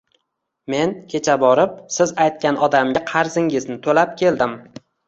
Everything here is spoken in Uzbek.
Men kecha borib, siz aytgan odamga qarzingizni toʻlab keldim